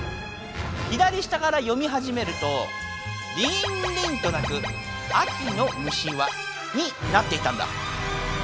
左下から読みはじめると「リーンリンとなくあきのむしは？」になっていたんだ。